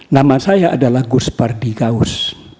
nama saya adalah gus pardikaus